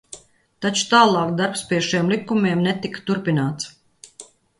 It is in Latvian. Taču tālāk darbs pie šiem likumiem netika turpināts.